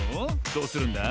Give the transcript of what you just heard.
どうするんだ？